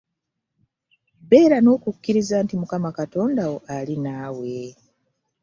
Beera n'okukiriza nti Mukama Katondawo alinaawe.